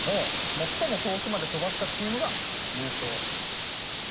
最も遠くまで飛ばしたチームが優勝。